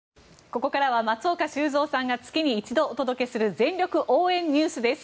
ここからは松岡修造さんが月に一度お届けする全力応援ＮＥＷＳです。